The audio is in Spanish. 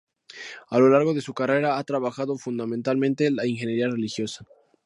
A lo largo de su carrera ha trabajado fundamentalmente la imaginería religiosa.